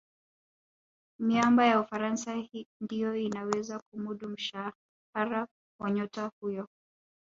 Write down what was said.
miamba ya ufaransa ndiyo inaweza kumudu mshahara wa nyota huyo